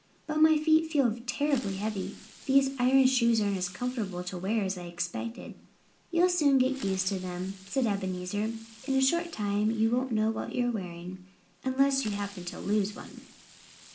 "But my feet feel terribly heavy. These iron shoes aren't as comfortable to wear as I had expected." "You'll soon get used to them," said Ebenezer. "In a short time you won't know you're wearing shoes unless you happen to lose one."